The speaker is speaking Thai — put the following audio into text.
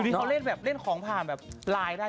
ทุกวันจะสั่งของออนไลน์ต้องเช็คดี